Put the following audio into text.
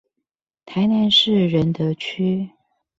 臺南市仁德區